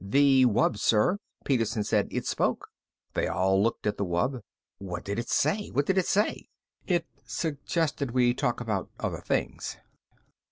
"The wub, sir," Peterson said. "It spoke." They all looked at the wub. "What did it say? What did it say?" "It suggested we talk about other things."